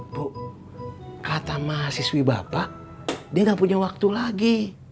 bu kata mahasiswi bapak dia gak punya waktu lagi